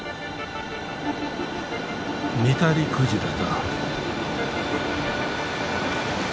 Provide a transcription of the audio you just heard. ニタリクジラだ。